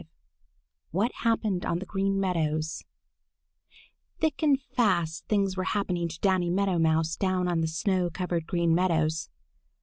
V WHAT HAPPENED ON THE GREEN MEADOWS THICK and fast things were happening to Danny Meadow Mouse down on the snow covered Green Meadows.